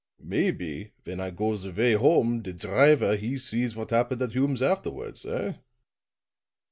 Maybe when I goes away home der driver he sees what happened at Hume's afterwards, eh?"